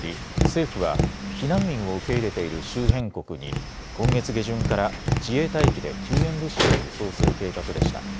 政府は避難民を受け入れている周辺国に今月下旬から自衛隊機で救援物資を輸送する計画でした。